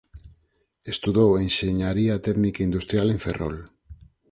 Estudou Enxeñaría Técnica Industrial en Ferrol.